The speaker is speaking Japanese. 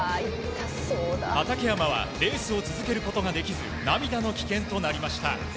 畠山はレースを続けることができず涙の棄権となりました。